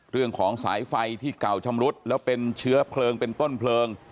เรื่องของสายไฟที่เก่าชำรุดแล้วเป็นเชื้อเพลิงเป็นต้นเพลิง